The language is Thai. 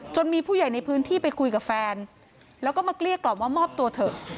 มีผู้ใหญ่ในพื้นที่ไปคุยกับแฟนแล้วก็มาเกลี้ยกล่อมว่ามอบตัวเถอะ